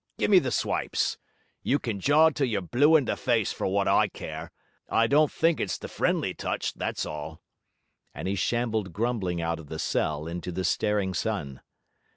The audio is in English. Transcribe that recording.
Give me the swipes. You can jaw till you're blue in the face for what I care. I don't think it's the friendly touch: that's all.' And he shambled grumbling out of the cell into the staring sun.